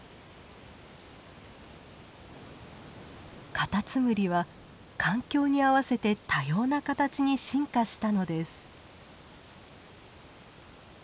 カタツムリは環境に合わせて多様な形に進化したのです。